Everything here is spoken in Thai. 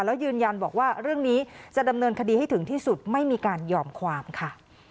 แล้วยืนยันบอกว่าเรื่องนี้จะดำเนินคดีให้ถึงที่สุดไม่มีการยอมความค่ะ